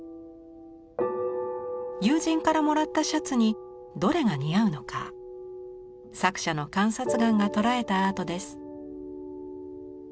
友人からもらったシャツにどれが似合うのか作者の観察眼がとらえたアートです。